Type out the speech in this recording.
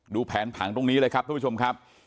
แผนผังตรงนี้เลยครับทุกผู้ชมครับ